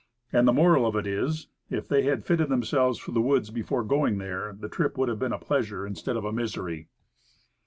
And the moral of it is, if they had fitted themselves for the woods before going there, the trip would have been a pleasure instead of a misery.